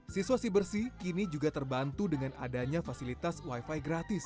situasi bersih kini juga terbantu dengan adanya fasilitas wifi gratis